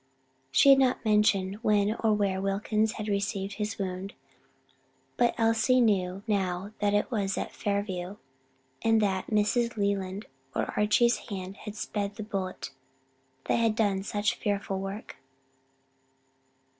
She had not mentioned when or where Wilkins had received his wound, but Elsie knew now that it was at Fairview and that Mrs. Leland's or Archie's hand had sped the bullet that had done such fearful work.